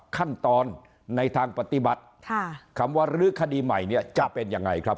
ขั้นตอนในทางปฏิบัติคำว่ารื้อคดีใหม่เนี่ยจะเป็นยังไงครับ